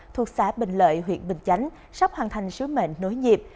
thuộc xã bình lợi huyện bình chánh sắp hoàn thành sứ mệnh nối nhịp